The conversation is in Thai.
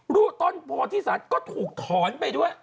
รูปต้นโพที่สารก็ถูกถอนไปด้วย